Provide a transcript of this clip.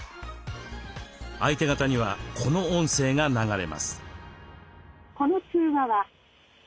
相手方にはこの音声が流れます。